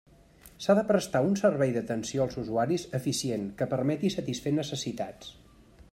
S'ha de prestar un servei d'atenció als usuaris eficient que permeti satisfer necessitats.